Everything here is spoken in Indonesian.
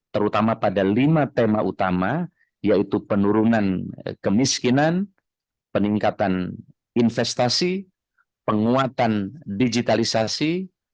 terutama pada lima tema utama yaitu penurunan kemiskinan peningkatan investasi penguatan digitalisasi